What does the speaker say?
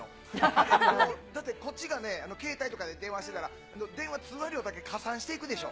あれ、もう、こっちがね、携帯とかで電話してたら、電話通話料だけ加算していくでしょ。